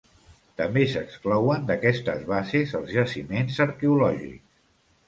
També s'exclouen d'aquestes bases els jaciments arqueològics.